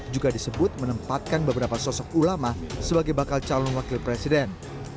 juga disebut menempatkan beberapa sosok ulama sebagai bakal calon wakil presiden